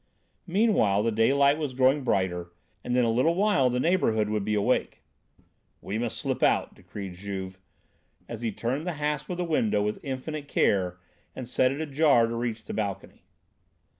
Meantime the daylight was growing brighter, and in a little while the neighbourhood would be awake. "We must slip out," decreed Juve, as he turned the hasp of the window with infinite care and set it ajar to reach the balcony.